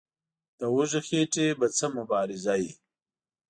د وږي خېټې به څه مبارزه وي.